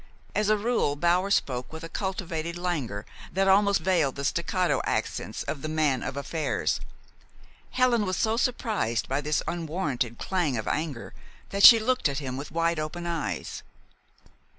As a rule Bower spoke with a cultivated languor that almost veiled the staccato accents of the man of affairs. Helen was so surprised by this unwarranted clang of anger that she looked at him with wide open eyes.